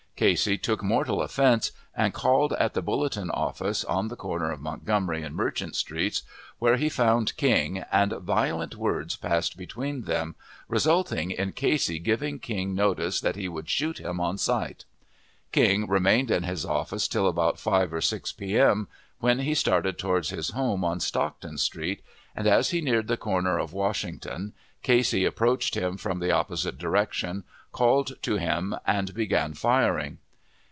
Casey took mortal offense, and called at the Bulletin office, on the corner of Montgomery and Merchant Streets, where he found King, and violent words passed between them, resulting in Casey giving King notice that he would shoot him on sight. King remained in his office till about 5 or 6 p.m., when he started toward his home on Stockton Street, and, as he neared the corner of Washington, Casey approached him from the opposite direction, called to him, and began firing.